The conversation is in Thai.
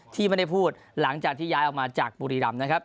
ที่ไม่ได้พูดหลังจากที่ย้ายออกมาจากบุรีรำนะครับ